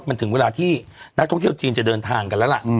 มันถึงเวลาที่นักท่องเที่ยวจีนจะเดินทางกันแล้วล่ะ